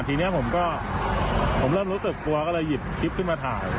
ทีนี้ผมก็ผมเริ่มรู้สึกกลัวก็เลยหยิบคลิปขึ้นมาถ่าย